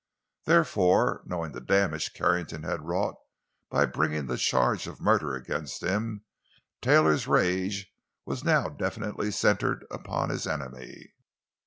Therefore, knowing the damage Carrington had wrought by bringing the charge of murder against him, Taylor's rage was now definitely centered upon his enemy.